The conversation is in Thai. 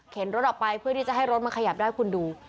รถออกไปเพื่อที่จะให้รถมันขยับได้คุณดู